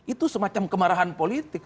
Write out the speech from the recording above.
itu semacam kemarahan politik